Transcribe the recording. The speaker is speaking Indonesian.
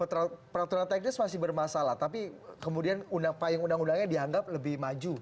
peraturan teknis masih bermasalah tapi kemudian payung undang undangnya dianggap lebih maju